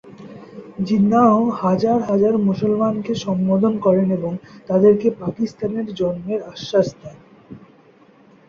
জিন্নাহ হাজার হাজার মুসলমানকে সম্বোধন করেন এবং তাদেরকে পাকিস্তানের জন্মের আশ্বাস দেন।